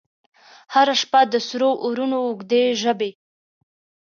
هره شپه د سرو اورونو، اوږدي ژبې،